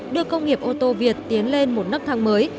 đưa công nghiệp ô tô việt tiến lên một nắp thang mới